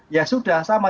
ya sudah sama